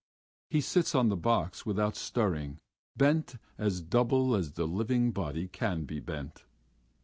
He sits on the box without stirring, bent as double as the living body can be bent.